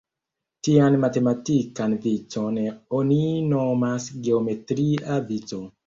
Tian matematikan vicon oni nomas geometria vico.